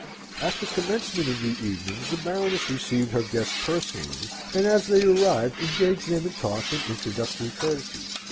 At the commencement of the evening the Baroness received her guests personally, and as they arrived engaged them in talk and introductory courtesies.